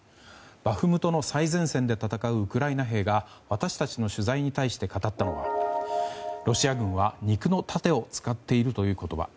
バフムトの最前線で戦うウクライナ兵が私たちの取材に対して語ったのはロシア軍は肉の盾を使っているという言葉。